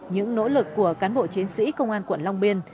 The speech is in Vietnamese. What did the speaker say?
những nỗ lực của cán bộ chiến sĩ công an quận long biên